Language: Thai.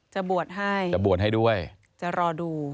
จะบวชให้จะบวชให้ด้วยจะรอดู